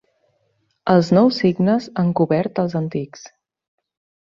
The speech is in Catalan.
Els nous signes han cobert els antics.